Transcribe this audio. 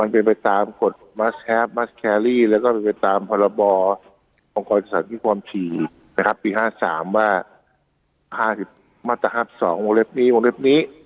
พอสาธิตความฉีกนะคะที่ห้าสามว่าทั้งมศ๒โมงเล็กนี้โมงเล็กนี้